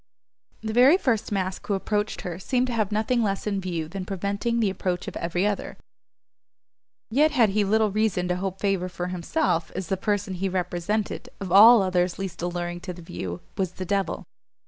The very first mask who approached her seemed to have nothing less in view than preventing the approach of every other: yet had he little reason to hope favour for himself, as the person he represented, of all others least alluring to the view, was the devil!